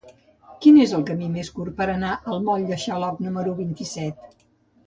Quin és el camí més curt per anar al moll de Xaloc número vint-i-set?